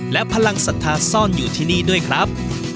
และพลังศรัทธาซ่อนอยู่ที่นี่ด้วยครับ